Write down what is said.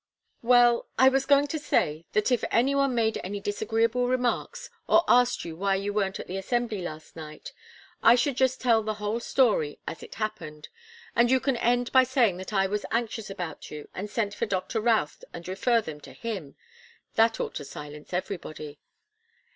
"Well I was going to say that if any one made any disagreeable remarks, or asked you why you weren't at the Assembly last night, I should just tell the whole story as it happened. And you can end by saying that I was anxious about you and sent for Doctor Routh, and refer them to him. That ought to silence everybody."